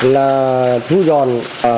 là thứ dọn